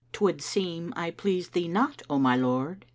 'Twould seem I please thee not, O my lord!"